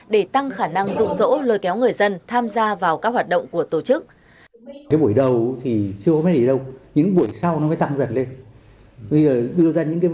để tăng khả năng rụ rỗ lôi kéo người dân tham gia vào các hoạt động của tổ chức